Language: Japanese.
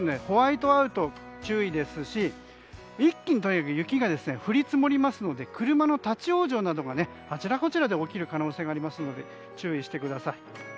ホワイトアウトに注意ですし一気に、とにかく雪が降り積もりますので車の立ち往生などがあちらこちらで起きる可能性がありますので注意してください。